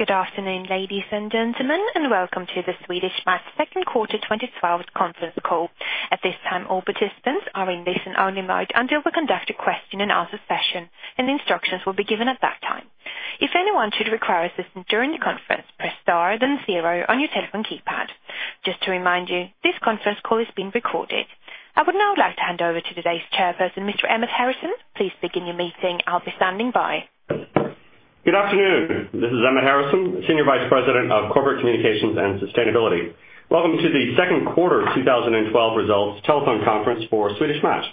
Good afternoon, ladies and gentlemen, and welcome to the Swedish Match second quarter 2012 conference call. At this time, all participants are in listen-only mode until we conduct a question and answer session. Instructions will be given at that time. If anyone should require assistance during the conference, press star then zero on your telephone keypad. Just to remind you, this conference call is being recorded. I would now like to hand over to today's Chairperson, Mr. Emmett Harrison. Please begin your meeting. I'll be standing by. Good afternoon. This is Emmett Harrison, Senior Vice President of Corporate Communications and Sustainability. Welcome to the second quarter 2012 results telephone conference for Swedish Match.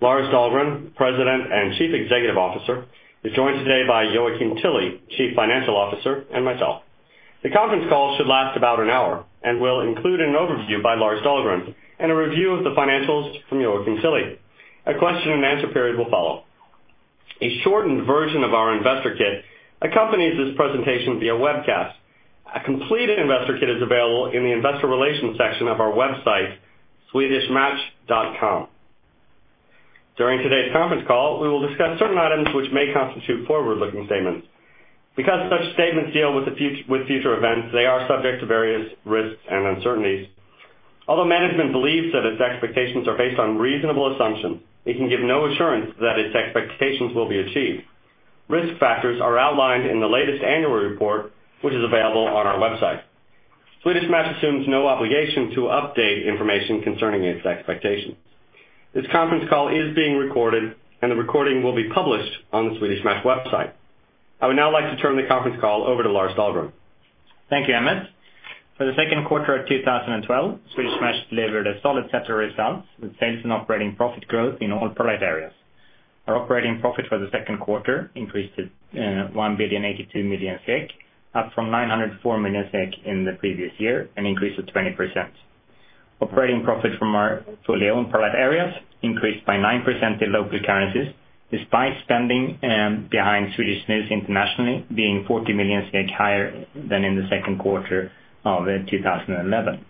Lars Dahlgren, President and Chief Executive Officer, is joined today by Joakim Tilly, Chief Financial Officer, and myself. The conference call should last about an hour and will include an overview by Lars Dahlgren and a review of the financials from Joakim Tilly. A question and answer period will follow. A shortened version of our investor kit accompanies this presentation via webcast. A complete investor kit is available in the investor relations section of our website, swedishmatch.com. During today's conference call, we will discuss certain items which may constitute forward-looking statements. Because such statements deal with future events, they are subject to various risks and uncertainties. Although management believes that its expectations are based on reasonable assumptions, it can give no assurance that its expectations will be achieved. Risk factors are outlined in the latest annual report, which is available on our website. Swedish Match assumes no obligation to update information concerning its expectations. This conference call is being recorded. The recording will be published on the Swedish Match website. I would now like to turn the conference call over to Lars Dahlgren. Thank you, Emmett. For the second quarter of 2012, Swedish Match delivered a solid set of results with sales and operating profit growth in all product areas. Our operating profit for the second quarter increased to 1,082,000 SEK, up from 904 million SEK in the previous year, an increase of 20%. Operating profit from our fully owned product areas increased by 9% in local currencies, despite spending behind Swedish Snus internationally being 40 million higher than in the second quarter of 2011.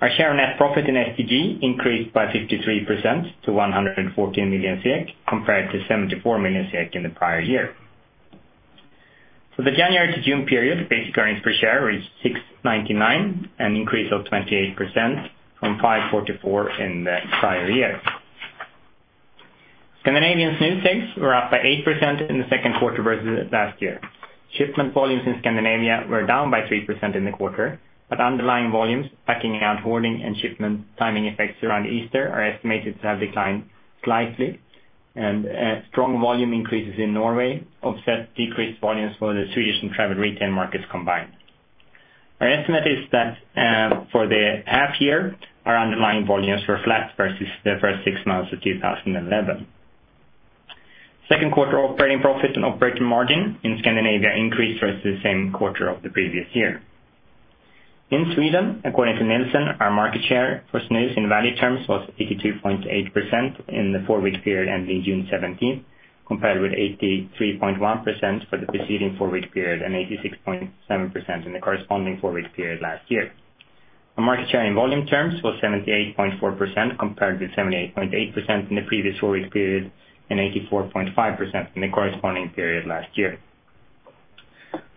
Our share and net profit in STG increased by 53% to 114 million, compared to 74 million in the prior year. For the January to June period, basic earnings per share reached 699, an increase of 28% from 544 in the prior year. Scandinavian Snus sales were up by 8% in the second quarter versus last year. Shipment volumes in Scandinavia were down by 3% in the quarter, but underlying volumes, backing out hoarding and shipment timing effects around Easter are estimated to have declined slightly, and strong volume increases in Norway offset decreased volumes for the Swedish and travel retail markets combined. Our estimate is that for the half year, our underlying volumes were flat versus the first six months of 2011. Second quarter operating profit and operating margin in Scandinavia increased versus the same quarter of the previous year. In Sweden, according to Nielsen, our market share for Snus in value terms was 82.8% in the four-week period ending June 17th, compared with 83.1% for the preceding four-week period and 86.7% in the corresponding four-week period last year. Our market share in volume terms was 78.4%, compared with 78.8% in the previous four-week period and 84.5% in the corresponding period last year.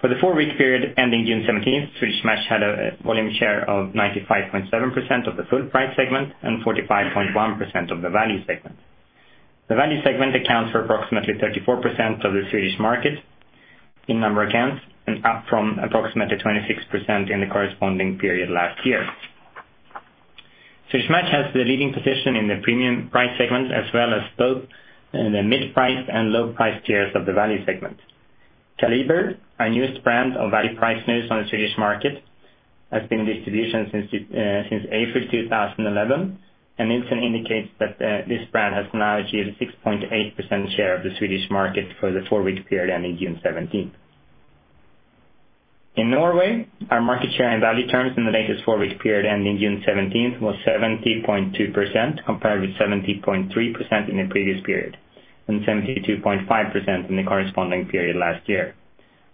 For the four-week period ending June 17th, Swedish Match had a volume share of 95.7% of the full price segment and 45.1% of the value segment. The value segment accounts for approximately 34% of the Swedish market in number of cans and up from approximately 26% in the corresponding period last year. Swedish Match has the leading position in the premium price segment, as well as both in the mid-price and low price tiers of the value segment. Kaliber, our newest brand of value-priced Snus on the Swedish market, has been in distribution since April 2011, and Nielsen indicates that this brand has now achieved a 6.8% share of the Swedish market for the four-week period ending June 17th. In Norway, our market share in value terms in the latest four-week period ending June 17th was 70.2%, compared with 70.3% in the previous period and 72.5% in the corresponding period last year.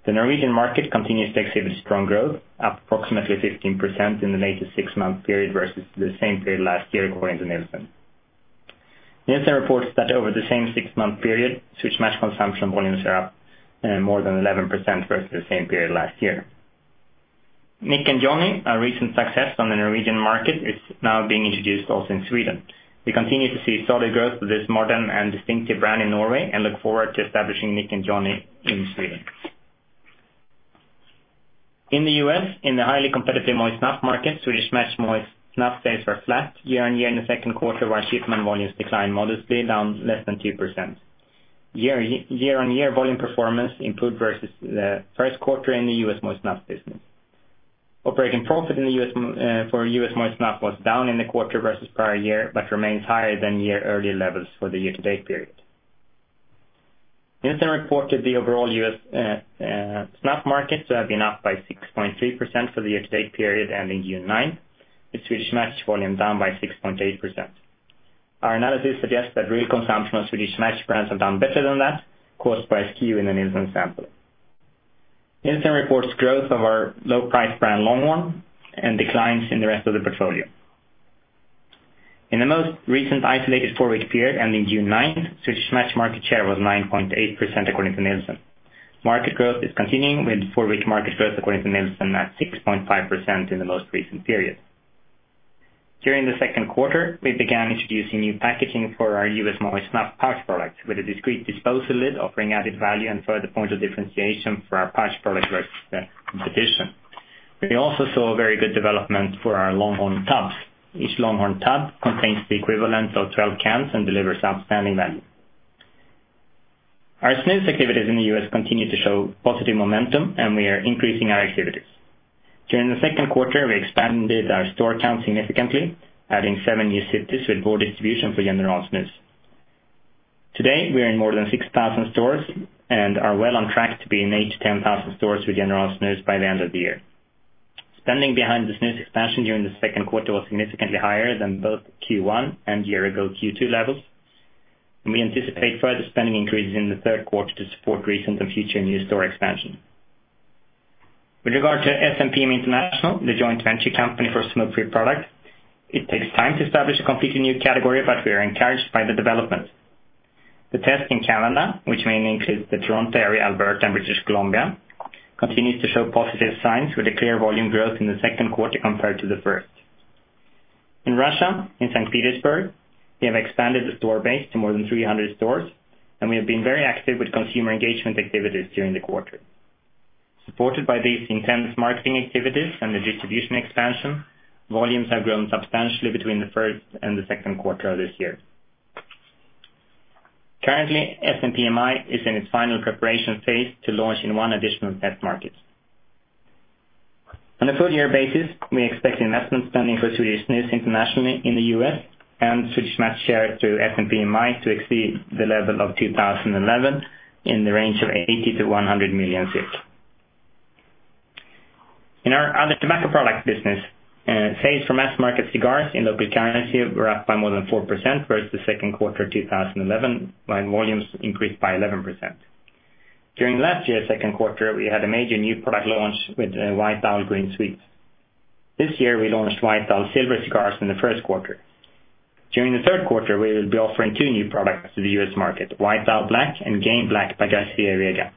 The Norwegian market continues to exhibit strong growth, up approximately 15% in the latest six-month period versus the same period last year, according to Nielsen. Nielsen reports that over the same six-month period, Swedish Match consumption volumes are up more than 11% versus the same period last year. Nick & Johnny, a recent success on the Norwegian market, is now being introduced also in Sweden. We continue to see solid growth for this modern and distinctive brand in Norway and look forward to establishing Nick & Johnny in Sweden. In the U.S., in the highly competitive moist snuff market, Swedish Match moist snuff sales were flat year-over-year in the second quarter, while shipment volumes declined modestly, down less than 2%. Year-over-year volume performance improved versus the first quarter in the U.S. moist snuff business. Operating profit for U.S. moist snuff was down in the quarter versus prior year, but remains higher than year earlier levels for the year-to-date period. Nielsen reported the overall U.S. snuff market to have been up by 6.3% for the year-to-date period ending June 9th, with Swedish Match volume down by 6.8%. Our analysis suggests that real consumption of Swedish Match brands have done better than that, caused by skew in the Nielsen sample. Nielsen reports growth of our low price brand Longhorn and declines in the rest of the portfolio. In the most recent isolated four-week period ending June 9, Swedish Match market share was 9.8%, according to Nielsen. Market growth is continuing with four-week market growth, according to Nielsen, at 6.5% in the most recent period. During the second quarter, we began introducing new packaging for our U.S. Molly Snus pouch product with a discrete disposal lid offering added value and further point of differentiation for our pouch product versus the competition. We also saw a very good development for our Longhorn tubs. Each Longhorn tub contains the equivalent of 12 cans and delivers outstanding value. Our snus activities in the U.S. continue to show positive momentum, and we are increasing our activities. During the second quarter, we expanded our store count significantly, adding seven new cities with broad distribution for General Snus. Today, we are in more than 6,000 stores and are well on track to be in 8,000-10,000 stores with General Snus by the end of the year. Spending behind the snus expansion during the second quarter was significantly higher than both Q1 and year-ago Q2 levels, and we anticipate further spending increases in the third quarter to support recent and future new store expansion. With regard to SMPI International, the joint venture company for smoke-free products, it takes time to establish a completely new category, but we are encouraged by the development. The test in Canada, which mainly includes the Toronto area, Alberta, and British Columbia, continues to show positive signs with a clear volume growth in the second quarter compared to the first. In Russia, in St. Petersburg, we have expanded the store base to more than 300 stores, and we have been very active with consumer engagement activities during the quarter. Supported by these intense marketing activities and the distribution expansion, volumes have grown substantially between the first and the second quarter of this year. Currently, SMPI is in its final preparation phase to launch in one additional test market. On a full-year basis, we expect investment spending for Swedish Snus internationally in the U.S. and Swedish Match share through SMPI to exceed the level of 2011 in the range of 80 million-100 million. In our other tobacco product business, sales for Mass Market Cigars in local currency were up by more than 4% versus the second quarter 2011, while volumes increased by 11%. During last year's second quarter, we had a major new product launch with White Owl Green Sweets. This year, we launched White Owl Silver Cigars in the first quarter. During the third quarter, we will be offering two new products to the U.S. market, White Owl Black and Game Black by Garcia y Vega.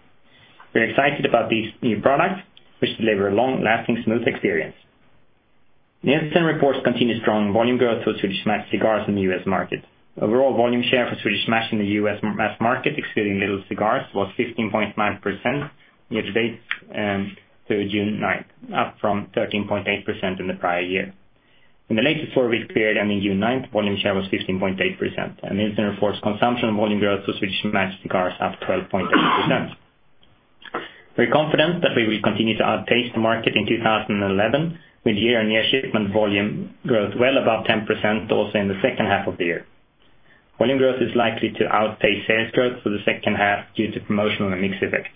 We're excited about these new products, which deliver a long-lasting, smooth experience. Nielsen reports continued strong volume growth for Swedish Match cigars in the U.S. market. Overall volume share for Swedish Match in the U.S. Mass Market, excluding little cigars, was 15.9% year to date through June 9, up from 13.8% in the prior year. In the latest four-week period ending June 9, volume share was 15.8%, and Nielsen reports consumption volume growth for Swedish Match cigars up 12.8%. We're confident that we will continue to outpace the market in 2011 with year-on-year shipment volume growth well above 10% also in the second half of the year. Volume growth is likely to outpace sales growth for the second half due to promotional and mix effects.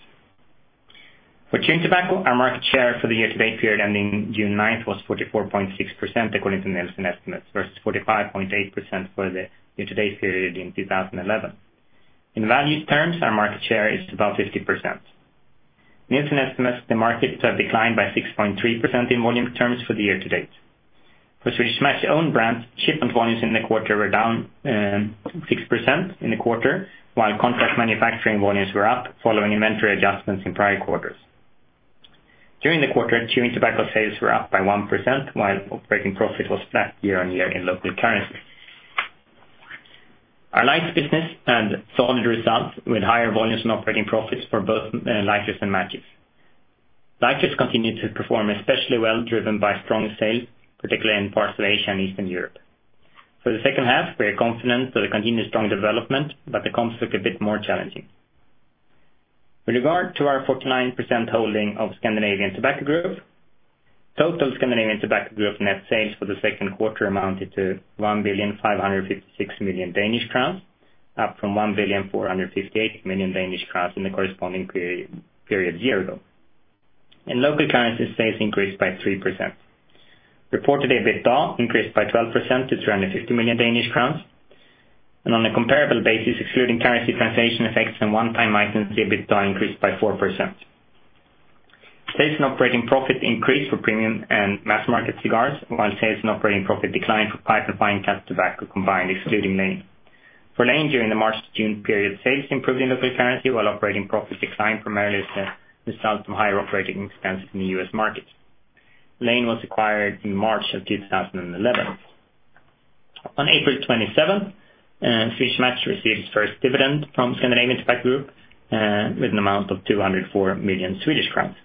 For chewing tobacco, our market share for the year-to-date period ending June 9th was 44.6%, according to Nielsen estimates, versus 45.8% for the year-to-date period in 2011. In value terms, our market share is about 50%. Nielsen estimates the market to have declined by 6.3% in volume terms for the year to date. For Swedish Match's own brands, shipment volumes in the quarter were down 6% in the quarter, while contract manufacturing volumes were up following inventory adjustments in prior quarters. During the quarter, chewing tobacco sales were up by 1%, while operating profit was flat year-on-year in local currency. Our lights business saw solid results with higher volumes and operating profits for both lighters and matches. Lighters continued to perform especially well, driven by strong sales, particularly in parts of Asia and Eastern Europe. For the second half, we are confident of the continued strong development, the comps look a bit more challenging. With regard to our 49% holding of Scandinavian Tobacco Group, total Scandinavian Tobacco Group net sales for the second quarter amounted to 1,556,000,000 Danish crowns, up from 1,458,000,000 Danish crowns in the corresponding period a year ago. In local currency, sales increased by 3%. Reported EBITDA increased by 12% to 350 million Danish crowns. On a comparable basis, excluding currency translation effects and one-time items, the EBITDA increased by 4%. Sales and operating profit increased for premium and Mass Market Cigars, while sales and operating profit declined for pipe, fine cut tobacco combined, excluding Lane. For Lane, during the March-June period, sales improved in local currency, while operating profit declined primarily as a result of higher operating expenses in the U.S. market. Lane was acquired in March of 2011. On April 27, Swedish Match received its first dividend from Scandinavian Tobacco Group with an amount of 204 million Swedish crowns.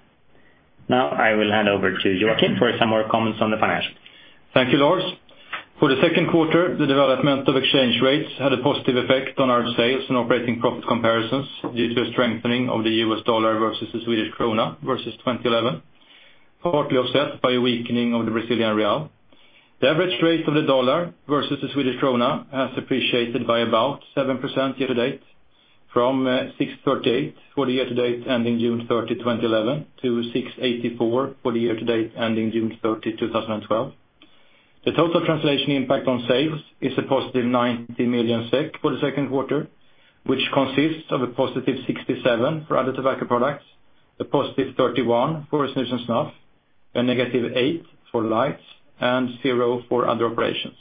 I will hand over to Joakim for some more comments on the financials. Thank you, Lars. For the second quarter, the development of exchange rates had a positive effect on our sales and operating profit comparisons due to a strengthening of the U.S. dollar versus the Swedish krona versus 2011, partly offset by a weakening of the Brazilian real. The average rate of the dollar versus the Swedish krona has appreciated by about 7% year to date, from 6.38 for the year to date ending June 30, 2011, to 6.84 for the year to date ending June 30, 2012. The total translation impact on sales is a positive 90 million SEK for the second quarter, which consists of a positive 67 for other tobacco products, a positive 31 for snus and snuff. A negative eight for lights and zero for other operations.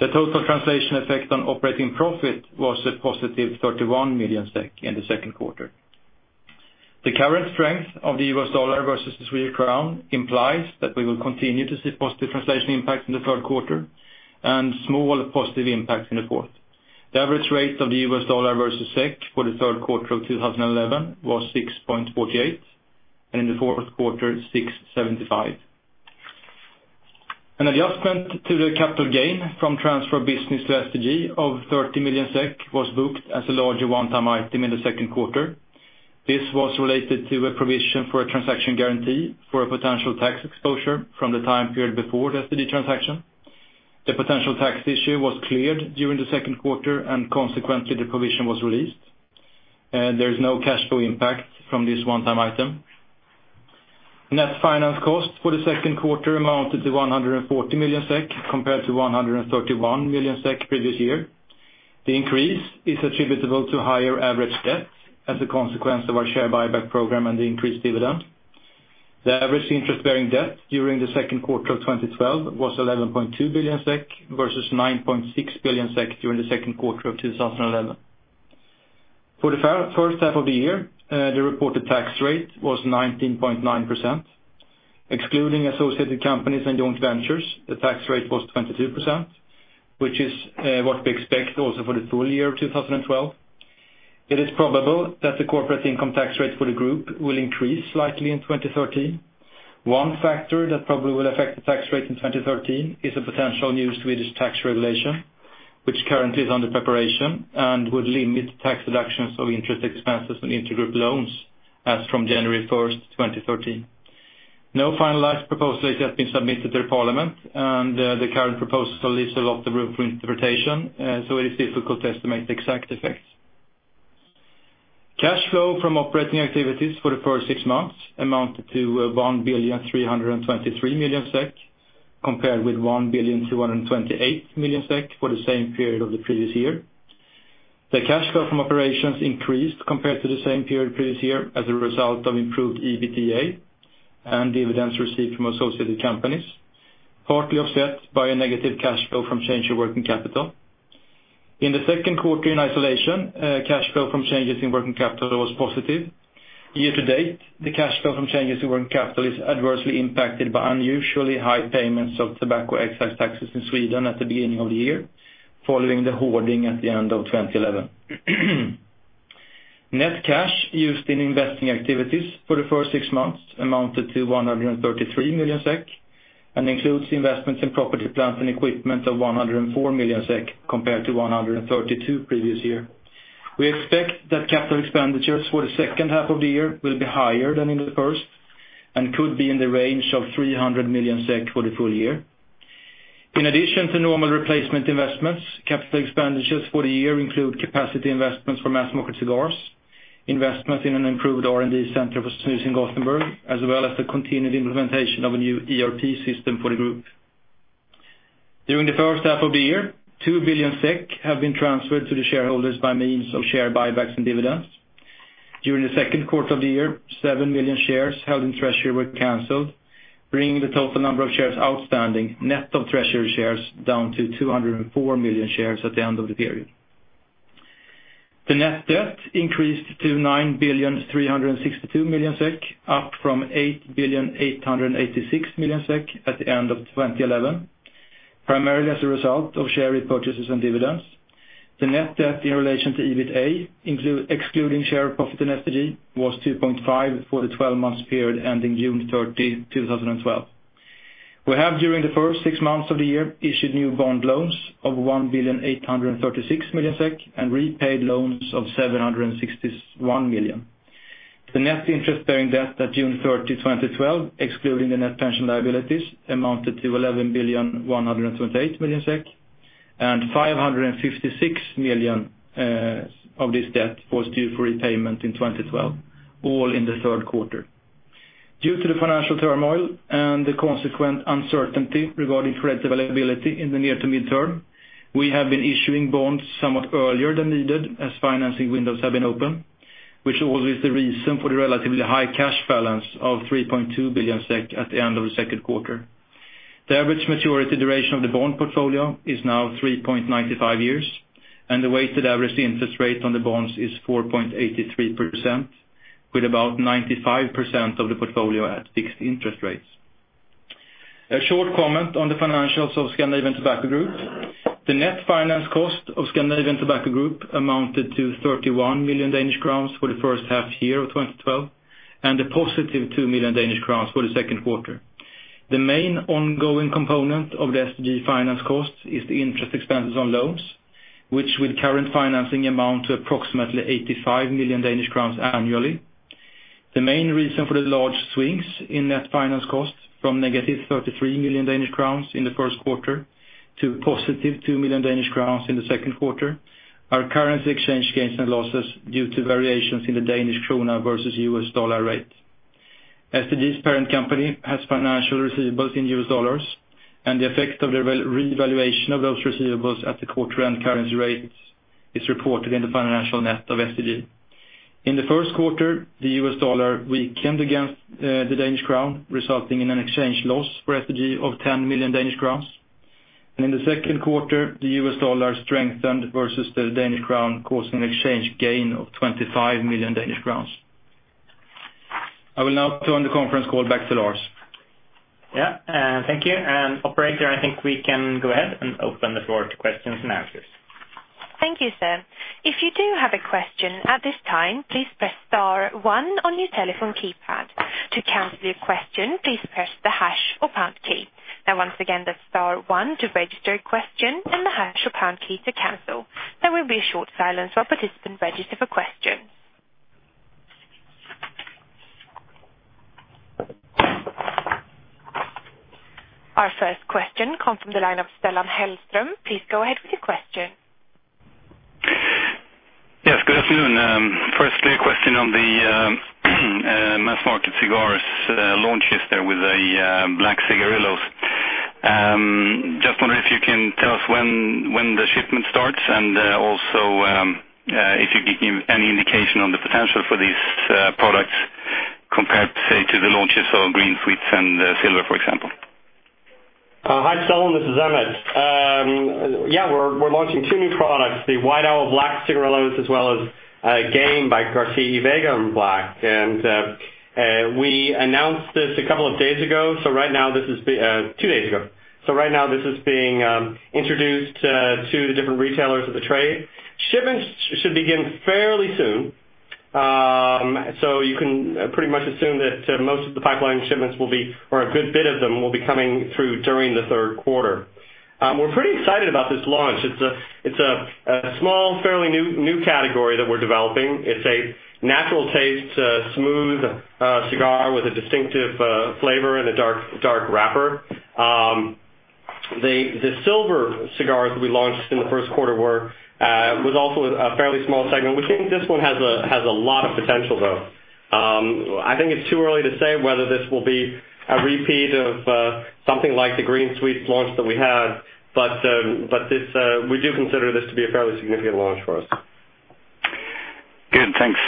The total translation effect on operating profit was a positive 31 million SEK in the second quarter. The current strength of the US dollar versus the Swedish crown implies that we will continue to see positive translation impact in the third quarter and small positive impact in the fourth. The average rate of the US dollar versus SEK for the third quarter of 2011 was 6.48, and in the fourth quarter, 6.75. An adjustment to the capital gain from transfer business to STG of 30 million SEK was booked as a larger one-time item in the second quarter. This was related to a provision for a transaction guarantee for a potential tax exposure from the time period before the STG transaction. The potential tax issue was cleared during the second quarter, and consequently, the provision was released. There is no cash flow impact from this one-time item. Net finance cost for the second quarter amounted to 140 million SEK compared to 131 million SEK previous year. The increase is attributable to higher average debt as a consequence of our share buyback program and the increased dividend. The average interest-bearing debt during the second quarter of 2012 was 11.2 billion SEK versus 9.6 billion SEK during the second quarter of 2011. For the first half of the year, the reported tax rate was 19.9%. Excluding associated companies and joint ventures, the tax rate was 22%, which is what we expect also for the full year of 2012. It is probable that the corporate income tax rate for the group will increase slightly in 2013. One factor that probably will affect the tax rate in 2013 is a potential new Swedish tax regulation, which currently is under preparation and would limit tax deductions of interest expenses on intergroup loans as from January 1st, 2013. No finalized proposal has yet been submitted to the parliament, and the current proposal leaves a lot of room for interpretation, so it is difficult to estimate the exact effects. Cash flow from operating activities for the first six months amounted to 1.323 billion, compared with 1.228 billion for the same period of the previous year. The cash flow from operations increased compared to the same period the previous year as a result of improved EBITDA and dividends received from associated companies, partly offset by a negative cash flow from change in working capital. In the second quarter in isolation, cash flow from changes in working capital was positive. Year to date, the cash flow from changes in working capital is adversely impacted by unusually high payments of tobacco excise taxes in Sweden at the beginning of the year, following the hoarding at the end of 2011. Net cash used in investing activities for the first six months amounted to 133 million SEK and includes investments in property, plant, and equipment of 104 million SEK compared to 132 the previous year. We expect that capital expenditures for the second half of the year will be higher than in the first and could be in the range of 300 million SEK for the full year. In addition to normal replacement investments, capital expenditures for the year include capacity investments for Mass Market Cigars, investment in an improved R&D center for Swedish Match in Gothenburg, as well as the continued implementation of a new ERP system for the group. During the first half of the year, 2 billion SEK have been transferred to the shareholders by means of share buybacks and dividends. During the second quarter of the year, 7 million shares held in treasury were canceled, bringing the total number of shares outstanding, net of treasury shares, down to 204 million shares at the end of the period. The net debt increased to 9,362 million SEK, up from 8,886 million SEK at the end of 2011. Primarily as a result of share repurchases and dividends. The net debt in relation to EBITDA, excluding share profit in STG, was 2.5 for the 12-month period ending June 30, 2012. We have during the first six months of the year issued new bond loans of 1,836 million SEK and repaid loans of 761 million SEK. The net interest bearing debt at June 30, 2012, excluding the net pension liabilities, amounted to 11,128 million SEK, and 556 million SEK of this debt was due for repayment in 2012, all in the third quarter. Due to the financial turmoil and the consequent uncertainty regarding credit availability in the near to midterm, we have been issuing bonds somewhat earlier than needed as financing windows have been open, which also is the reason for the relatively high cash balance of 3.2 billion SEK at the end of the second quarter. The average maturity duration of the bond portfolio is now 3.95 years, and the weighted average interest rate on the bonds is 4.83%, with about 95% of the portfolio at fixed interest rates. A short comment on the financials of Scandinavian Tobacco Group. The net finance cost of Scandinavian Tobacco Group amounted to 31 million Danish crowns for the first half year of 2012 and a positive 2 million Danish crowns for the second quarter. The main ongoing component of the STG finance cost is the interest expenses on loans, which with current financing amount to approximately 85 million Danish crowns annually. The main reason for the large swings in net finance costs from negative 33 million Danish crowns in the first quarter to a positive 2 million Danish crowns in the second quarter are currency exchange gains and losses due to variations in the Danish crown versus U.S. dollar rate. STG's parent company has financial receivables in U.S. dollars, and the effect of the revaluation of those receivables at the quarter-end currency rates is reported in the financial net of STG. In the first quarter, the U.S. dollar weakened against the Danish crown, resulting in an exchange loss for STG of 10 million Danish crowns. In the second quarter, the U.S. dollar strengthened versus the Danish crown, causing an exchange gain of 25 million Danish crowns. I will now turn the conference call back to Lars. Yeah. Thank you. Operator, I think we can go ahead and open the floor to questions and answers. Thank you, sir. If you do have a question at this time, please press star one on your telephone keypad. To cancel your question, please press the hash or pound key. Once again, that's star one to register a question and the hash or pound key to cancel. There will be a short silence while participants register for questions. Our first question comes from the line of Stellan Hellström. Please go ahead with your question. Yes, good afternoon. Firstly, a question on the Mass Market Cigars launches there with the Black Cigarillos. Just wondering if you can tell us when the shipment starts and also if you could give any indication on the potential for these products compared, say, to the launches of Green Sweets and Silver, for example. Hi, Stellan, this is Emmett. Yeah, we're launching two new products, the White Owl Black Cigarillos, as well as Game by Garcia y Vega in Black. We announced this a couple of days ago. Two days ago. Right now this is being introduced to the different retailers of the trade. Shipments should begin fairly soon. You can pretty much assume that most of the pipeline shipments will be, or a good bit of them, will be coming through during the third quarter. We're pretty excited about this launch. It's a small, fairly new category that we're developing. It's a natural taste, smooth cigar with a distinctive flavor and a dark wrapper. The Silver cigars that we launched in the first quarter was also a fairly small segment. We think this one has a lot of potential, though. I think it's too early to say whether this will be a repeat of something like the Green Sweets launch that we had, we do consider this to be a fairly significant launch for us. Good, thanks.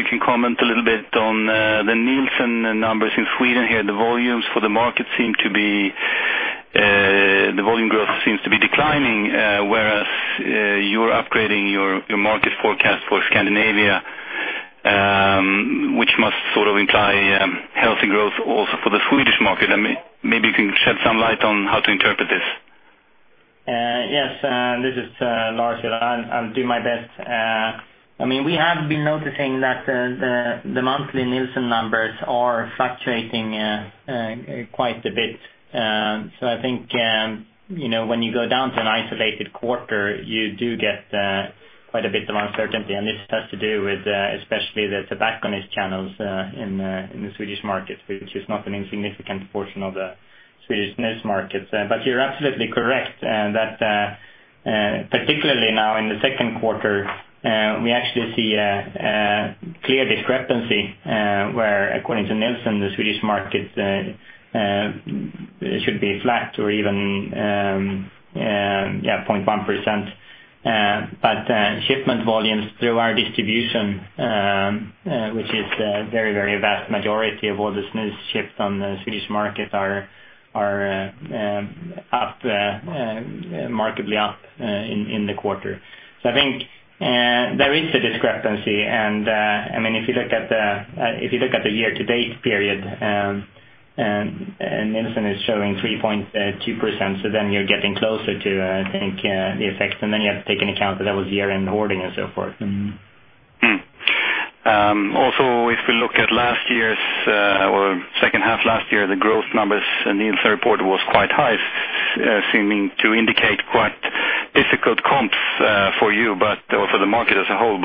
If you can comment a little bit on the Nielsen numbers in Sweden here. The volume growth seems to be declining, whereas you're upgrading your market forecast for Scandinavia, which must imply healthy growth also for the Swedish market. You can shed some light on how to interpret this. Yes. This is Lars here. I'll do my best. We have been noticing that the monthly Nielsen numbers are fluctuating quite a bit. I think, when you go down to an isolated quarter, you do get quite a bit of uncertainty, and this has to do with especially the tobacconist channels in the Swedish market, which is not an insignificant portion of the Swedish snus market. You're absolutely correct that particularly now in the second quarter, we actually see a clear discrepancy where, according to Nielsen, the Swedish market should be flat or even 0.1%. Shipment volumes through our distribution, which is a very, very vast majority of all the snus shipped on the Swedish market, are markedly up in the quarter. I think there is a discrepancy. If you look at the year-to-date period, Nielsen is showing 3.2%, you're getting closer to, I think, the effect. You have to take into account that that was year-end hoarding and so forth. If we look at last year's, or second half last year, the growth numbers in the third quarter was quite high, seeming to indicate quite difficult comps for you, but also the market as a whole.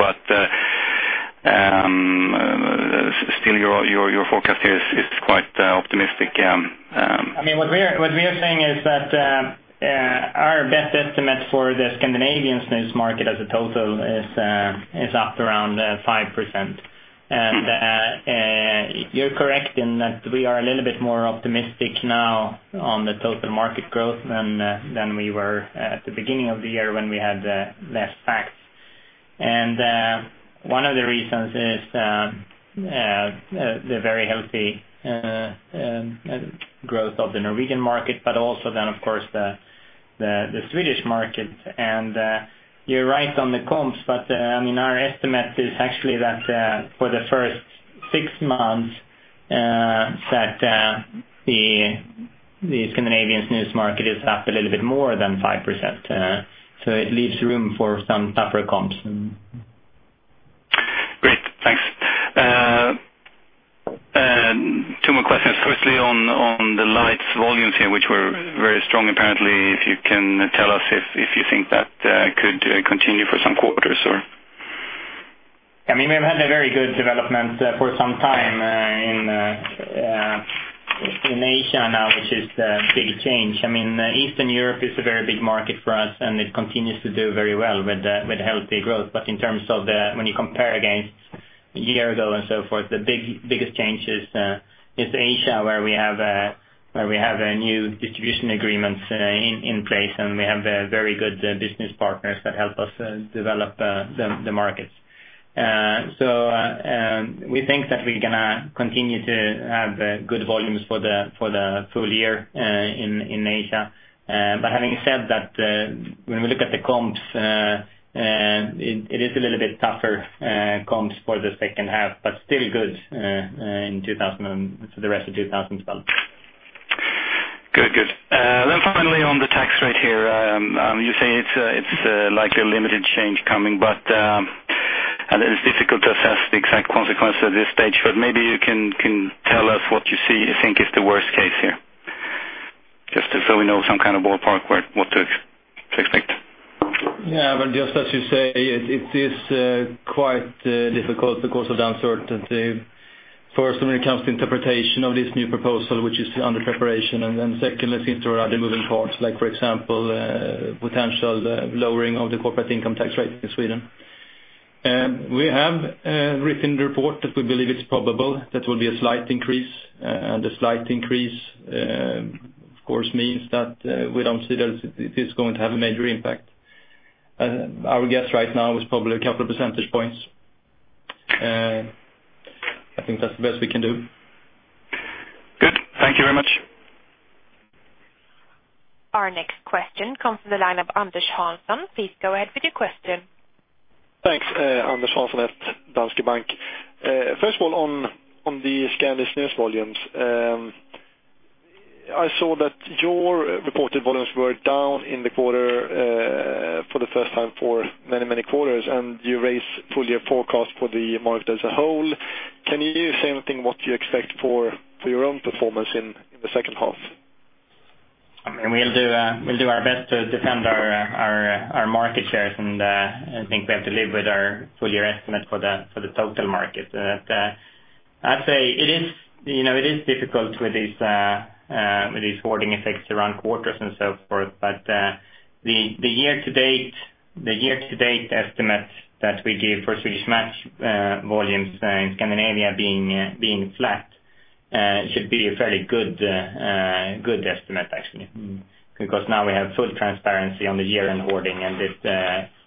Still, your forecast here is quite optimistic. What we are saying is that our best estimate for the Scandinavian snus market as a total is up around 5%. You're correct in that we are a little bit more optimistic now on the total market growth than we were at the beginning of the year when we had less facts. One of the reasons is the very healthy growth of the Norwegian market, also then, of course, the Swedish market. You're right on the comps, our estimate is actually that for the first six months, the Scandinavian snus market is up a little bit more than 5%. It leaves room for some tougher comps. Great. Thanks. Two more questions. Firstly, on the lights volumes here, which were very strong apparently. If you can tell us if you think that could continue for some quarters, or? We've had a very good development for some time in Asia now, which is the big change. Eastern Europe is a very big market for us, it continues to do very well with healthy growth. In terms of when you compare against a year ago and so forth, the biggest change is Asia, where we have new distribution agreements in place, we have very good business partners that help us develop the markets. We think that we're going to continue to have good volumes for the full year in Asia. Having said that, when we look at the comps, it is a little bit tougher comps for the second half, still good for the rest of 2012. Good. Finally on the tax rate here. You say it's likely a limited change coming, I know it's difficult to assess the exact consequence at this stage, maybe you can tell us what you see or think is the worst case here, just so we know some kind of ballpark what to expect. Yeah, just as you say, it is quite difficult because of the uncertainty. First, when it comes to interpretation of this new proposal, which is under preparation, second, let's say there are other moving parts, like, for example, potential lowering of the corporate income tax rate in Sweden. We have written in the report that we believe it's probable that it will be a slight increase. A slight increase, of course, means that we don't see that it is going to have a major impact. Our guess right now is probably a couple of percentage points. I think that's the best we can do. Good. Thank you very much. Our next question comes from the line of Anders Hansson. Please go ahead with your question. Thanks. Anders Hansson at Danske Bank. First of all, on the Scandinavian snus volumes. I saw that your reported volumes were down in the quarter for the first time for many quarters, and you raised full year forecast for the market as a whole. Can you say anything what you expect for your own performance in the second half? We'll do our best to defend our market shares. I think we have to live with our full year estimate for the total market. I'd say it is difficult with these hoarding effects around quarters and so forth. The year-to-date estimate that we give for Swedish Match volumes in Scandinavia being flat should be a fairly good estimate, actually. Now we have full transparency on the year in hoarding, and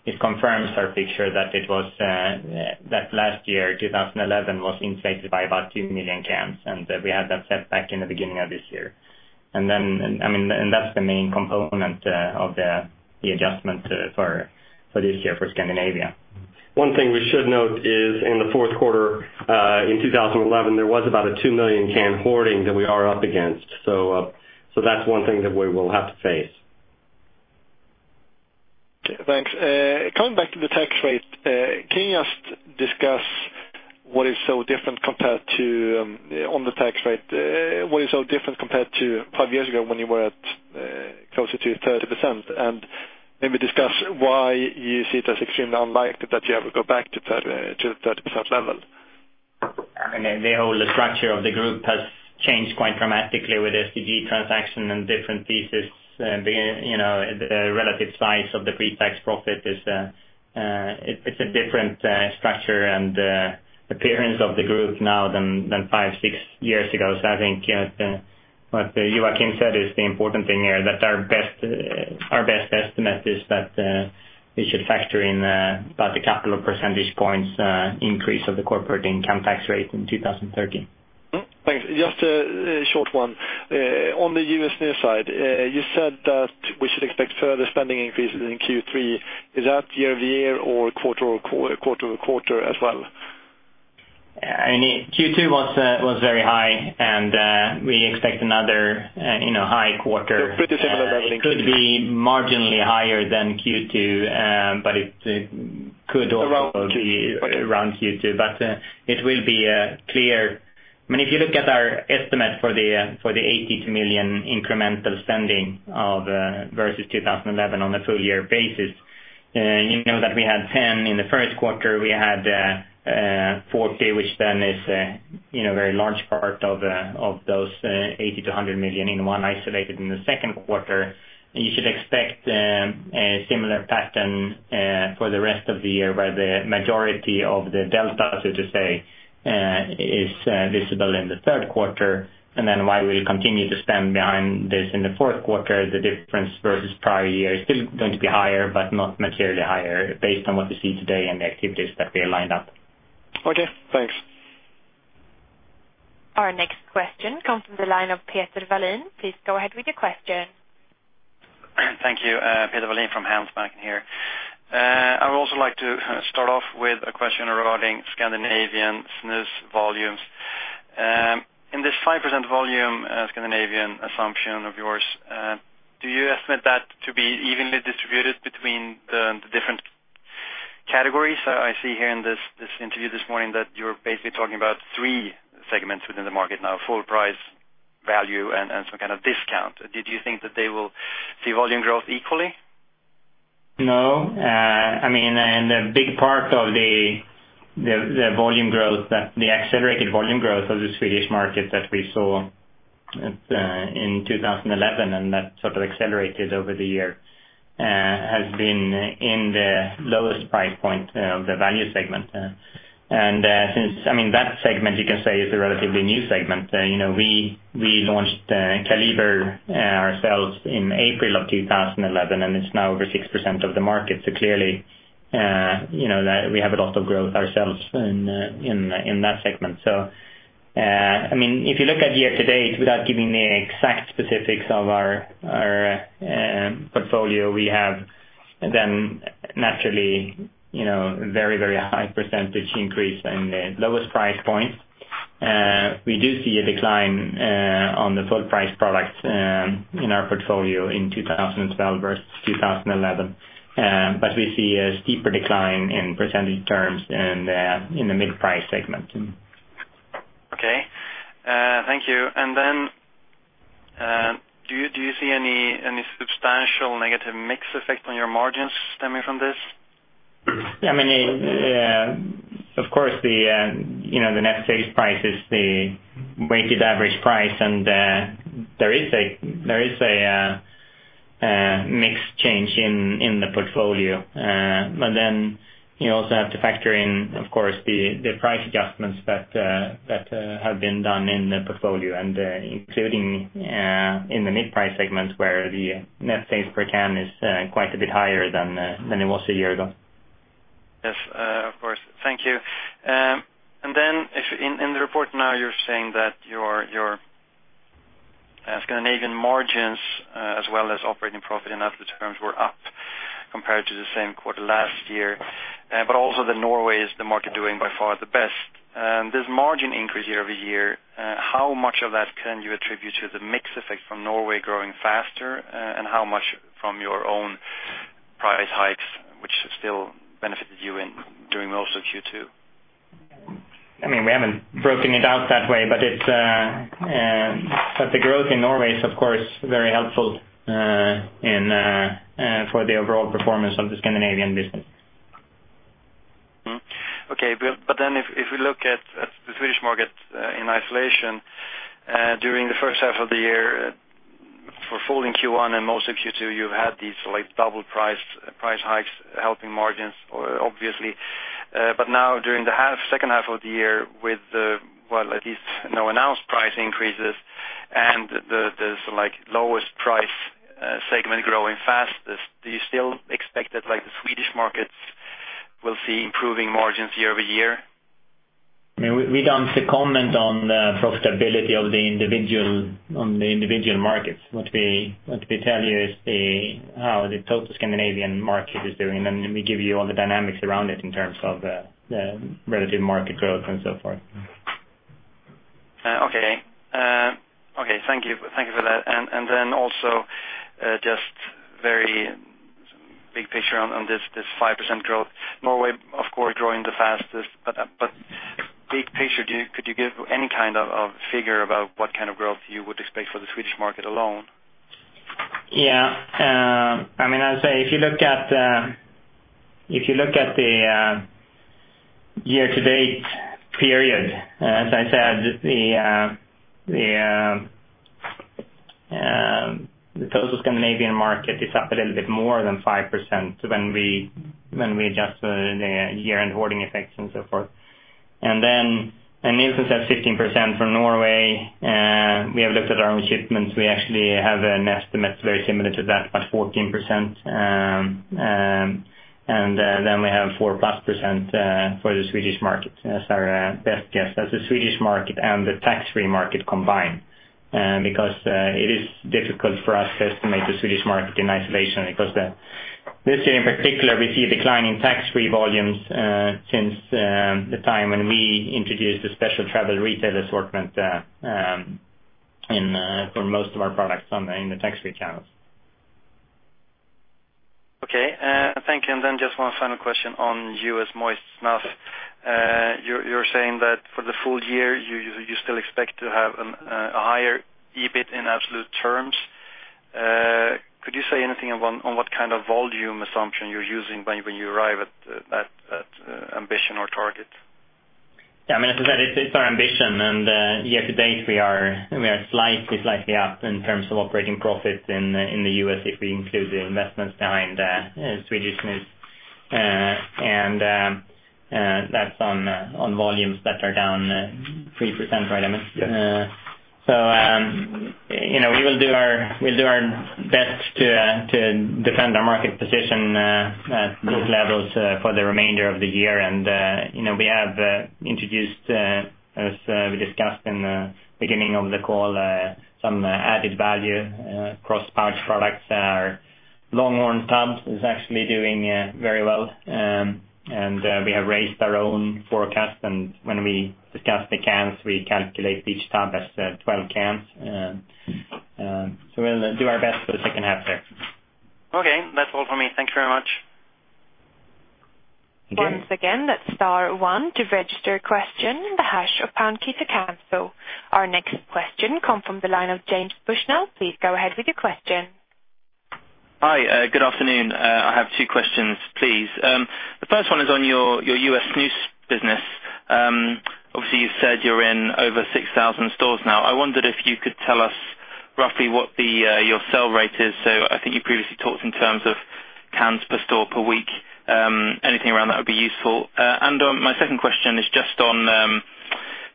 it confirms our picture that last year, 2011, was inflated by about 2 million cans, and we had that setback in the beginning of this year. That's the main component of the adjustment for this year for Scandinavia. One thing we should note is in the fourth quarter in 2011, there was about a 2 million can hoarding that we are up against. That's one thing that we will have to face. Okay, thanks. Coming back to the tax rate, can you just discuss on the tax rate, what is so different compared to 5 years ago when you were at closer to 30%? Maybe discuss why you see it as extremely unlikely that you have to go back to 30% level. The whole structure of the group has changed quite dramatically with the STG transaction and different pieces. The relative size of the pre-tax profit is a different structure and appearance of the group now than five, six years ago. I think what Joakim said is the important thing here, that our best estimate is that we should factor in about a couple of percentage points increase of the corporate income tax rate in 2013. Thanks. Just a short one. On the U.S. Snus side, you said that we should expect further spending increases in Q3. Is that year-over-year or quarter-over-quarter as well? Q2 was very high and we expect another high quarter. Pretty similar levels in Q3. It could be marginally higher than Q2. Around Q2. be around Q2. It will be clear. If you look at our estimate for the SEK 80 to million incremental spending versus 2011 on a full year basis, you know that we had 10 in the first quarter. We had 40,000, which then is a very large part of those 80 million-100 million in one isolated in the second quarter. You should expect a similar pattern for the rest of the year, where the majority of the delta, so to say, is visible in the third quarter. While we continue to spend behind this in the fourth quarter, the difference versus prior year is still going to be higher, but not materially higher based on what we see today and the activities that we have lined up. Okay, thanks. Our next question comes from the line of Peter Wallin. Please go ahead with your question. Thank you. Peter Wallin from Handelsbanken here. I would also like to start off with a question regarding Scandinavian snus volumes. In this 5% volume Scandinavian assumption of yours, do you estimate that to be evenly distributed between the different categories? I see here in this interview this morning that you are basically talking about three segments within the market now: full price, value, and some kind of discount. Did you think that they will see volume growth equally? No. A big part of the accelerated volume growth of the Swedish market that we saw in 2011, and that sort of accelerated over the year, has been in the lowest price point of the value segment. Since that segment, you can say, is a relatively new segment. We launched Kaliber ourselves in April of 2011, and it is now over 6% of the market. Clearly, we have a lot of growth ourselves in that segment. If you look at year to date, without giving the exact specifics of our portfolio, we have then naturally very, very high percentage increase in the lowest price point. We do see a decline on the full price products in our portfolio in 2012 versus 2011. We see a steeper decline in percentage terms in the mid-price segment. Okay. Thank you. Then, do you see any substantial negative mix effect on your margins stemming from this? Yeah, of course, the net sales price is the weighted average price, and there is a mix change in the portfolio. You also have to factor in, of course, the price adjustments that have been done in the portfolio, and including in the mid-price segments, where the net sales per can is quite a bit higher than it was a year ago. Yes. Of course. Thank you. In the report now, you're saying that your Scandinavian margins, as well as operating profit in absolute terms, were up compared to the same quarter last year. Norway is the market doing by far the best. This margin increase year-over-year, how much of that can you attribute to the mix effect from Norway growing faster, and how much from your own price hikes, which still benefited you during most of Q2? We haven't broken it out that way, the growth in Norway is, of course, very helpful for the overall performance of the Scandinavian business. Okay. If we look at the Swedish market in isolation, during the first half of the year, for full in Q1 and most of Q2, you've had these double price hikes helping margins, obviously. Now during the second half of the year with, well, at least no announced price increases and the lowest price segment growing fastest, do you still expect that the Swedish markets will see improving margins year-over-year? We don't comment on the profitability on the individual markets. What we tell you is how the total Scandinavian market is doing. Then we give you all the dynamics around it in terms of the relative market growth and so forth. Okay. Thank you for that. Also, just very big picture on this 5% growth. Norway, of course, growing the fastest, but big picture, could you give any kind of figure about what kind of growth you would expect for the Swedish market alone? Yeah. I'll say, if you look at the year to date period, as I said, the total Scandinavian market is up a little bit more than 5% when we adjust for the year-end hoarding effects and so forth. Nielsen said 15% from Norway. We have looked at our own shipments. We actually have an estimate very similar to that, about 14%. Then we have 4+% for the Swedish market as our best guess. That's the Swedish market and the tax-free market combined. It is difficult for us to estimate the Swedish market in isolation, because this year in particular, we see a decline in tax-free volumes since the time when we introduced a special travel retail assortment for most of our products in the tax-free channels. Okay. Thank you. Just one final question on U.S. moist snuff. You're saying that for the full year, you still expect to have a higher EBIT in absolute terms. Could you say anything on what kind of volume assumption you're using when you arrive at that ambition or target? As I said, it's our ambition. Year to date, we are slightly up in terms of operating profit in the U.S. if we include the investments behind Swedish Snus. That's on volumes that are down 3%, right, Emmett? Yes. We will do our best to defend our market position at group levels for the remainder of the year. We have introduced, as we discussed in the beginning of the call, some added value cross price products. Our Longhorn tubs is actually doing very well, and we have raised our own forecast. When we discuss the cans, we calculate each tub as 12 cans. We'll do our best for the second half there. Okay. That's all for me. Thank you very much. Again. Once again, that's star one to register a question, the hash or pound key to cancel. Our next question come from the line of James Bushnell. Please go ahead with your question. Hi. Good afternoon. I have two questions, please. The first one is on your U.S. snus business. You said you're in over 6,000 stores now. I wondered if you could tell us roughly what your sell rate is. I think you previously talked in terms of cans per store per week. Anything around that would be useful. My second question is just on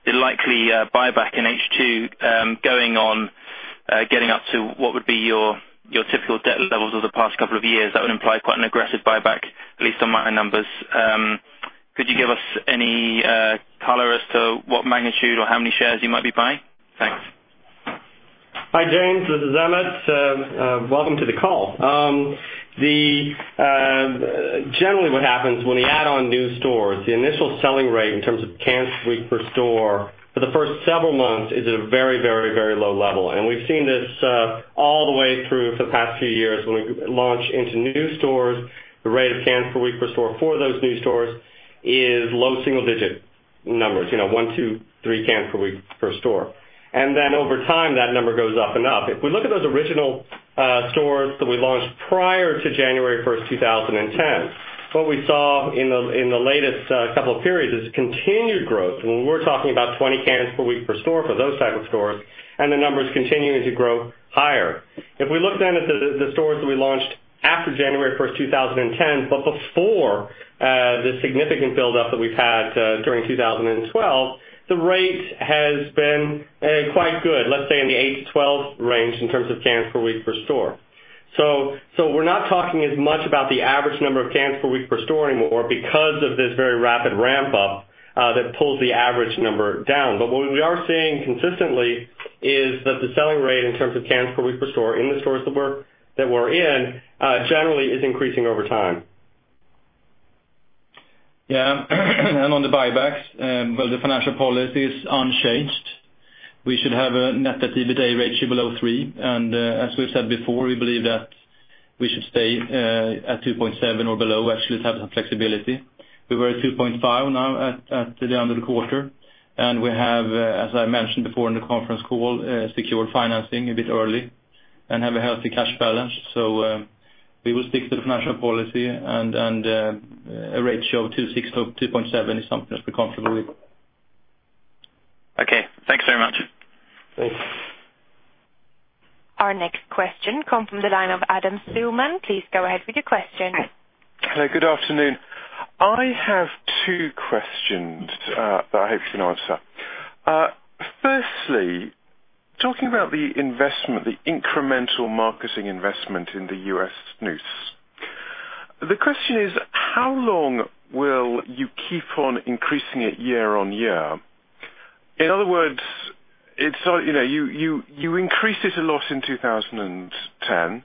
the likely buyback in H2 going on, getting up to what would be your typical debt levels over the past couple of years. That would imply quite an aggressive buyback, at least on my numbers. Could you give us any color as to what magnitude or how many shares you might be buying? Thanks. Hi, James, this is Emmett. Welcome to the call. Generally, what happens when we add on new stores, the initial selling rate in terms of cans per week per store for the first several months is at a very low level. We've seen this all the way through for the past few years. When we launch into new stores, the rate of cans per week per store for those new stores is low single-digit numbers, one, two, three cans per week per store. Over time, that number goes up and up. If we look at those original stores that we launched prior to January 1st, 2010, what we saw in the latest couple of periods is continued growth, and we're talking about 20 cans per week per store for those type of stores, and the numbers continuing to grow higher. If we look at the stores that we launched after January 1st, 2010, but before the significant build up that we've had during 2012, the rate has been quite good, let's say in the eight to 12 range in terms of cans per week per store. We're not talking as much about the average number of cans per week per store anymore because of this very rapid ramp-up that pulls the average number down. What we are seeing consistently is that the selling rate in terms of cans per week per store in the stores that we're in, generally is increasing over time. Yeah. On the buybacks, well, the financial policy is unchanged. We should have a net debt-to-EBITDA ratio below three, as we've said before, we believe that we should stay at 2.7 or below, actually to have some flexibility. We were at 2.5 now at the end of the quarter, we have, as I mentioned before in the conference call, secured financing a bit early and have a healthy cash balance. We will stick to the financial policy and a ratio of 2.6 or 2.7 is something that we're comfortable with. Okay, thanks very much. Thanks. Our next question come from the line of Adam Shulman. Please go ahead with your question. Hello, good afternoon. I have two questions that I hope you can answer. Firstly, talking about the investment, the incremental marketing investment in the U.S. snus. The question is, how long will you keep on increasing it year on year? In other words, you increased it a lot in 2011.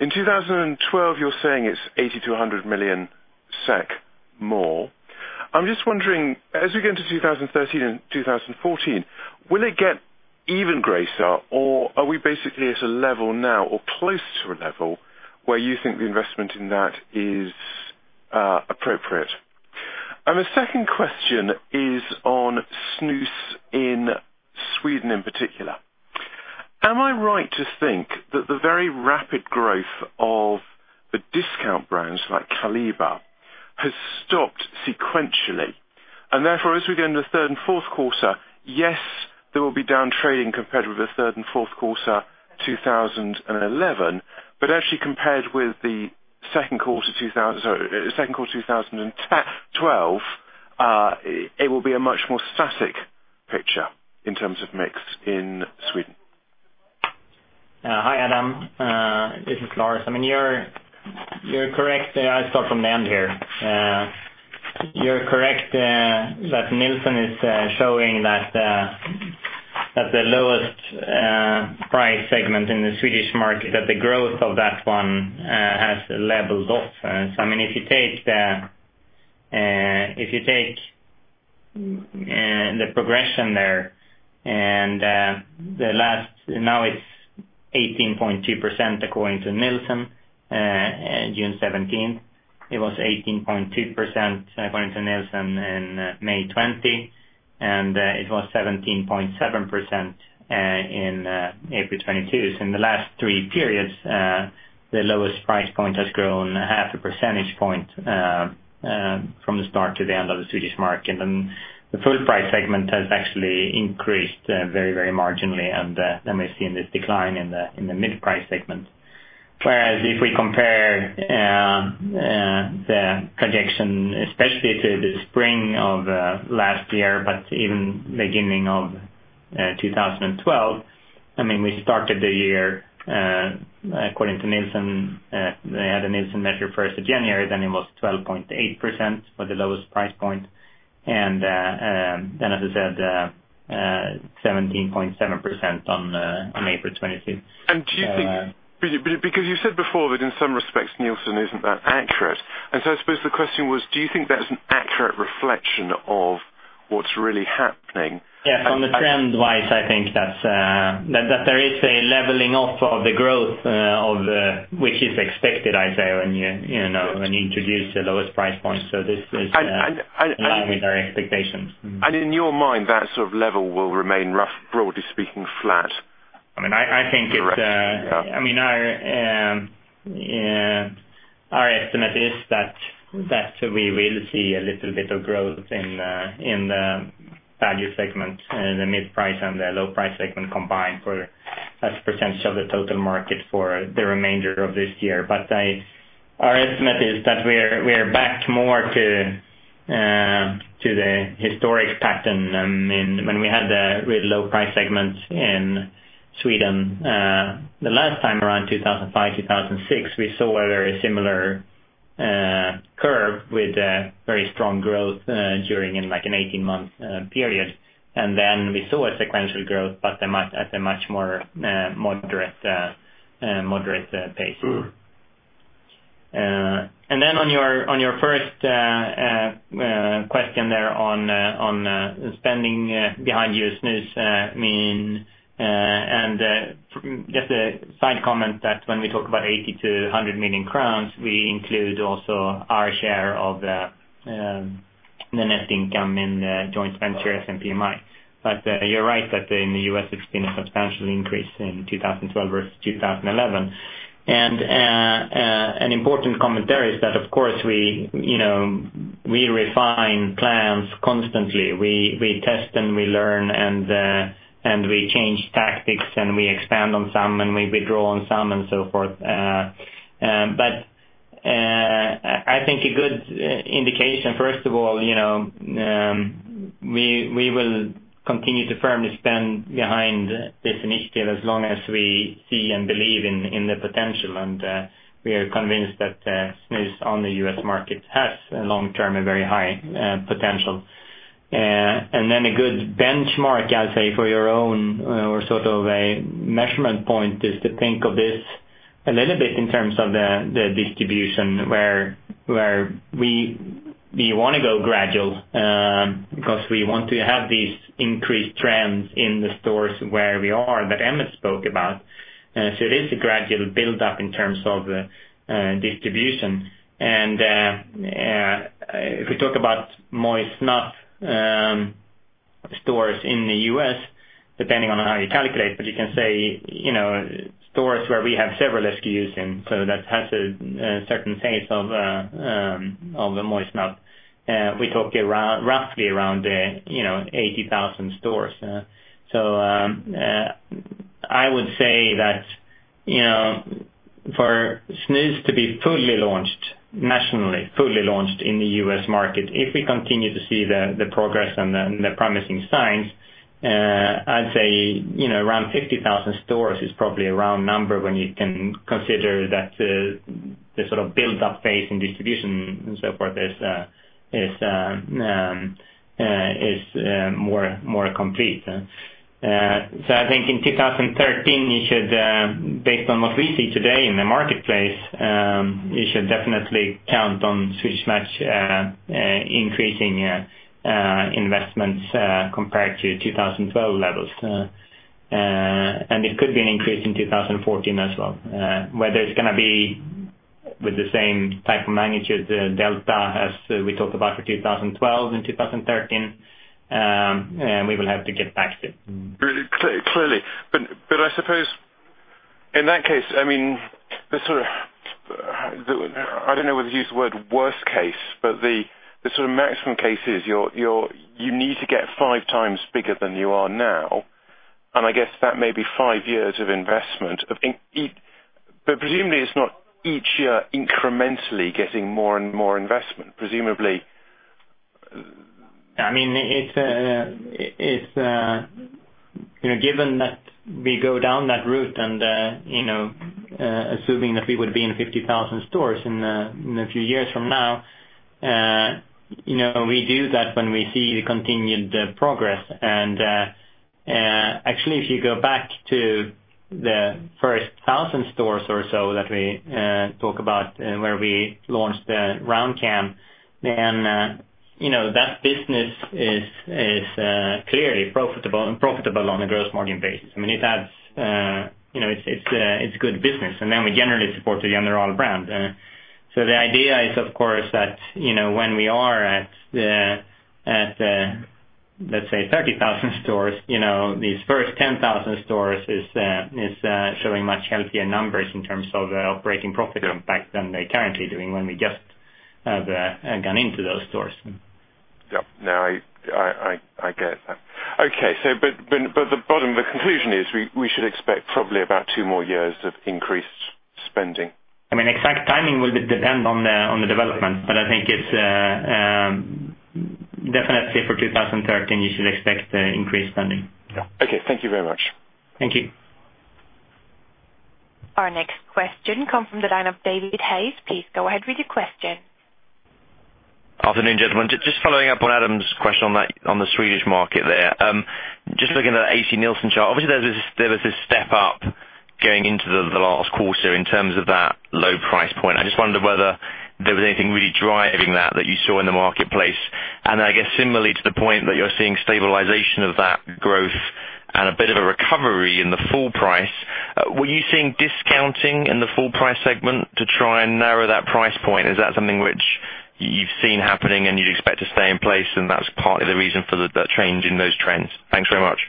In 2012, you're saying it's 80-100 million SEK more. I'm just wondering, as we get into 2013 and 2014, will it get even greater or are we basically at a level now or close to a level where you think the investment in that is appropriate? The second question is on snus in Sweden in particular. Am I right to think that the very rapid growth of the discount brands like Kaliber has stopped sequentially? Therefore, as we go into the third and fourth quarter, yes, there will be down trading compared with the third and fourth quarter 2011, but actually compared with the second quarter 2012, it will be a much more static picture in terms of mix in Sweden. Hi, Adam. This is Lars. I'll start from the end here. You're correct that Nielsen is showing that the lowest price segment in the Swedish market, that the growth of that one has leveled off. If you take the progression there and now it's 18.2% according to Nielsen, June 17th. It was 18.2% according to Nielsen in May 20, and it was 17.7% in April 22. In the last three periods, the lowest price point has grown half a percentage point from the start to the end of the Swedish market. The full price segment has actually increased very marginally, and we've seen this decline in the mid-price segment. Whereas if we compare the projection, especially to the spring of last year, but even beginning of 2012, we started the year according to Nielsen, they had a Nielsen measure 1st of January, then it was 12.8% for the lowest price point. Then as I said, 17.7% on April 22. Because you said before that in some respects, Nielsen isn't that accurate. I suppose the question was, do you think that's an accurate reflection of what's really happening? Yes, on the trend-wise, I think that there is a leveling off of the growth, which is expected when you introduce your lowest price point. This is in line with our expectations. In your mind, that sort of level will remain rough, broadly speaking, flat. I think our estimate is that we will see a little bit of growth in the value segment, the mid-price and the low price segment combined for as a percentage of the total market for the remainder of this year. Our estimate is that we are back more to the historic pattern than when we had the real low price segments in Sweden. The last time around 2005, 2006, we saw a very similar curve with very strong growth during an 18 months period. Then we saw a sequential growth, but at a much more moderate pace. Then on your first question there on spending behind U.S. snus, just a side comment that when we talk about 80 million to 100 million crowns, we include also our share of the net income in the joint venture SMPI. You're right, that in the U.S. it's been a substantial increase in 2012 versus 2011. An important commentary is that of course we refine plans constantly. We test and we learn and we change tactics and we expand on some and we withdraw on some and so forth. I think a good indication, first of all, we will continue to firmly stand behind this initiative as long as we see and believe in the potential, and we are convinced that snus on the U.S. market has a long-term, a very high potential. Then a good benchmark, I'll say, for your own, or sort of a measurement point is to think of this a little bit in terms of the distribution where we want to go gradual, because we want to have these increased trends in the stores where we are, that Emmett spoke about. It is a gradual build-up in terms of distribution. If we talk about moist snuff stores in the U.S., depending on how you calculate, but you can say stores where we have several SKUs in, so that has a certain phase of the moist snuff. We talk roughly around 80,000 stores. I would say that for snus to be fully launched nationally, fully launched in the U.S. market, if we continue to see the progress and the promising signs, I'd say around 50,000 stores is probably a round number when you can consider that the sort of build-up phase in distribution and so forth is more complete. I think in 2013, based on what we see today in the marketplace, you should definitely count on Swedish Match increasing investments compared to 2012 levels. It could be an increase in 2014 as well. Whether it's going to be with the same type of magnitude delta as we talked about for 2012 and 2013, we will have to get back to. Clearly. I suppose in that case, I don't know whether to use the word worst case, but the sort of maximum case is you need to get five times bigger than you are now, and I guess that may be five years of investment. Presumably it's not each year incrementally getting more and more investment. Given that we go down that route and assuming that we would be in 50,000 stores in a few years from now, we do that when we see the continued progress. Actually, if you go back to the first 1,000 stores or so that we talk about where we launched Round Cam, then that business is clearly profitable on a gross margin basis. It's good business. Then we generally support the General brand. The idea is, of course, that when we are at, let's say, 30,000 stores, these first 10,000 stores is showing much healthier numbers in terms of the operating profit impact than they're currently doing when we just have gone into those stores. Yeah. No, I get that. Okay. The conclusion is we should expect probably about two more years of increased spending. Exact timing will depend on the development, but I think it's definitely for 2013, you should expect increased spending. Okay. Thank you very much. Thank you. Our next question come from the line of David Hayes. Please go ahead with your question. Afternoon, gentlemen. Following up on Adam's question on the Swedish market there. Looking at that ACNielsen chart. Obviously, there was this step up going into the last quarter in terms of that low price point. I just wondered whether there was anything really driving that you saw in the marketplace. I guess similarly to the point that you're seeing stabilization of that growth and a bit of a recovery in the full price. Were you seeing discounting in the full price segment to try and narrow that price point? Is that something which you've seen happening and you'd expect to stay in place and that's partly the reason for the change in those trends? Thanks very much.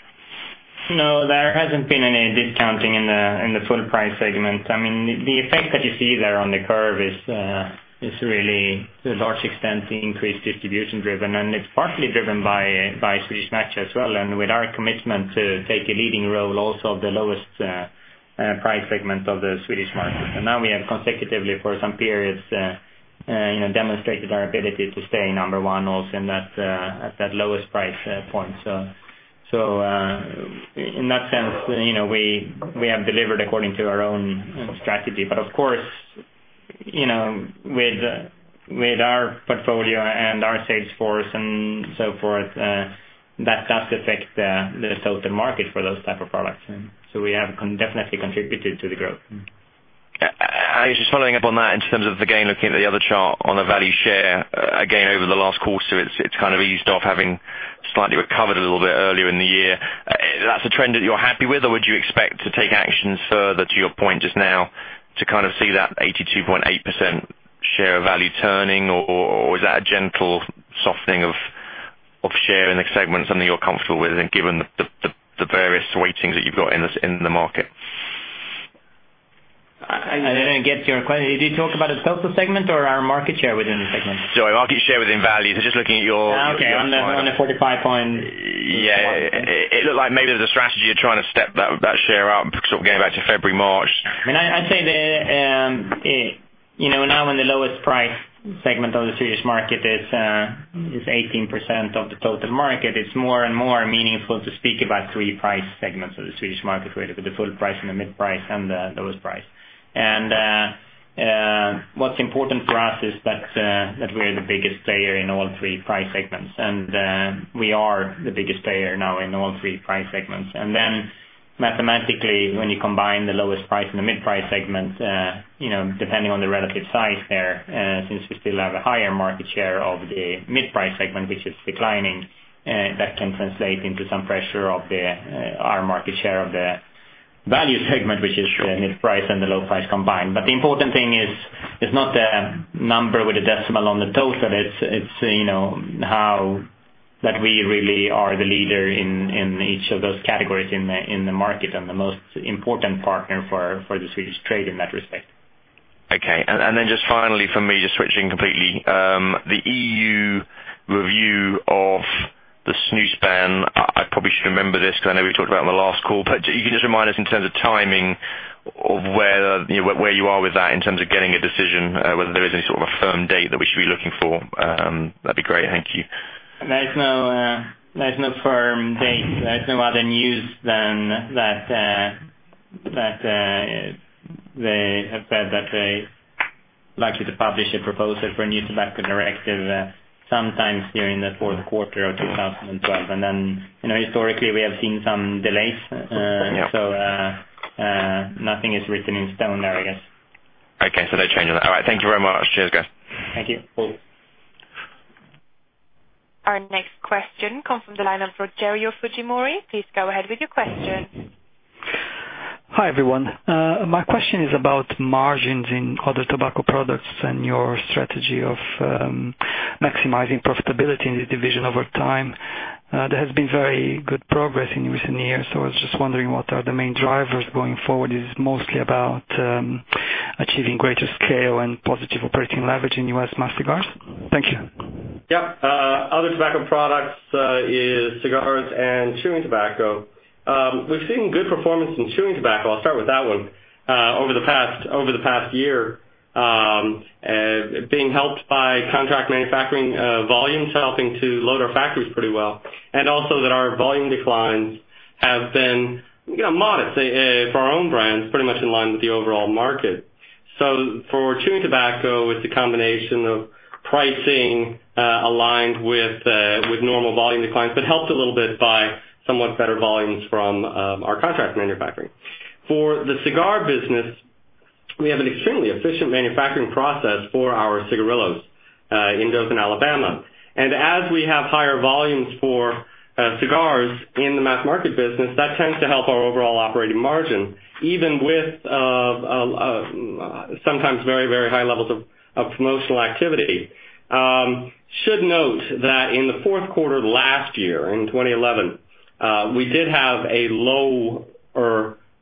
No, there hasn't been any discounting in the full price segment. The effect that you see there on the curve is really to a large extent, increased distribution driven, and it's partly driven by Swedish Match as well, with our commitment to take a leading role also of the lowest price segment of the Swedish market. Now we have consecutively for some periods, demonstrated our ability to stay number 1 also at that lowest price point. In that sense, we have delivered according to our own strategy. Of course, with our portfolio and our sales force and so forth, that does affect the total market for those type of products. We have definitely contributed to the growth. I was just following up on that in terms of, again, looking at the other chart on the value share. Again, over the last quarter, it's kind of eased off, having slightly recovered a little bit earlier in the year. Is that a trend that you're happy with? Would you expect to take actions further to your point just now to kind of see that 82.8% share of value turning? Is that a gentle softening of share in the segment, something you're comfortable with, given the various weightings that you've got in the market? I didn't get your question. Did you talk about the total segment or our market share within the segment? Sorry, market share within value. Okay. On the 45 point. Yeah. It looked like maybe there's a strategy of trying to step that share up, sort of going back to February, March. I'd say that, now when the lowest price segment of the Swedish market is 18% of the total market, it's more and more meaningful to speak about three price segments of the Swedish market, with the full price and the mid price and the lowest price. What's important for us is that we are the biggest player in all three price segments. We are the biggest player now in all three price segments. Mathematically, when you combine the lowest price and the mid price segment, depending on the relative size there, since we still have a higher market share of the mid price segment, which is declining, that can translate into some pressure of our market share of the value segment, which is the mid price and the low price combined. The important thing is not the number with the decimal on the total. It's how that we really are the leader in each of those categories in the market and the most important partner for the Swedish trade in that respect. Okay. Just finally from me, just switching completely. The EU review of the snus ban, I probably should remember this because I know we talked about it on the last call, but if you can just remind us in terms of timing of where you are with that in terms of getting a decision, whether there is any sort of a firm date that we should be looking for. That'd be great. Thank you. There's no firm date. There's no other news than that they have said that they'd like to publish a proposal for a new tobacco directive sometimes during the fourth quarter of 2012. Historically, we have seen some delays. Yeah. Nothing is written in stone there, I guess. Okay. No change on that. All right. Thank you very much. Cheers, guys. Thank you. Cool. Our next question comes from the line of Rogerio Fujimori. Please go ahead with your question. Hi, everyone. My question is about margins in other tobacco products and your strategy of maximizing profitability in the division over time. There has been very good progress in recent years. I was just wondering what are the main drivers going forward? Is it mostly about achieving greater scale and positive operating leverage in U.S. mass cigars? Thank you. Yeah. Other tobacco products is cigars and chewing tobacco. We've seen good performance in chewing tobacco, I'll start with that one, over the past year, being helped by contract manufacturing volumes helping to load our factories pretty well, and also that our volume declines have been modest for our own brands, pretty much in line with the overall market. For chewing tobacco, it's a combination of pricing aligned with normal volume declines, but helped a little bit by somewhat better volumes from our contract manufacturing. For the cigar business, we have an extremely efficient manufacturing process for our cigarillos in Dothan, Alabama. As we have higher volumes for cigars in the mass market business, that tends to help our overall operating margin, even with sometimes very high levels of promotional activity. Should note that in the fourth quarter of last year, in 2011, we did have a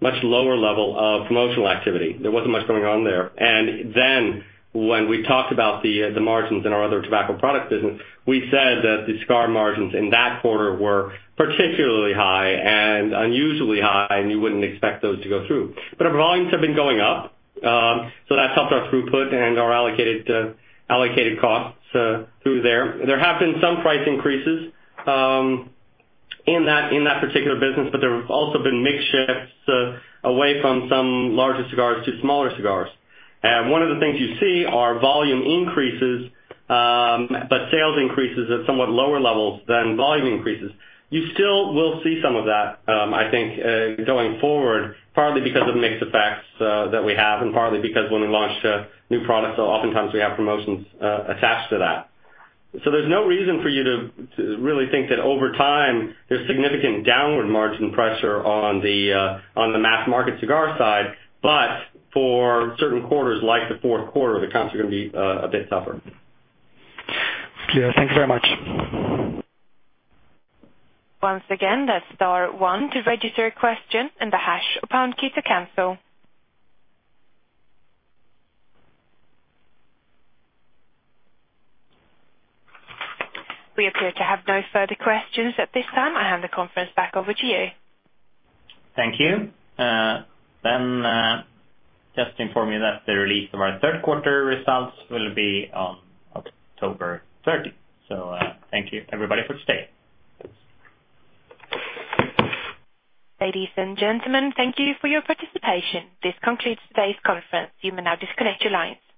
much lower level of promotional activity. There wasn't much going on there. When we talked about the margins in our other tobacco product business, we said that the cigar margins in that quarter were particularly high and unusually high, and you wouldn't expect those to go through. Our volumes have been going up. That's helped our throughput and our allocated costs through there. There have been some price increases in that particular business, but there have also been mix shifts away from some larger cigars to smaller cigars. One of the things you see are volume increases, but sales increases at somewhat lower levels than volume increases. You still will see some of that, I think, going forward, partly because of mix effects that we have, and partly because when we launch new products, oftentimes we have promotions attached to that. There's no reason for you to really think that over time, there's significant downward margin pressure on the mass market cigar side. For certain quarters, like the fourth quarter, the comps are going to be a bit tougher. Yeah. Thank you very much. Once again, that's star one to register a question and the hash or pound key to cancel. We appear to have no further questions at this time. I hand the conference back over to you. Thank you. Just to inform you that the release of our third quarter results will be on October 30th. Thank you, everybody, for today. Ladies and gentlemen, thank you for your participation. This concludes today's conference. You may now disconnect your lines.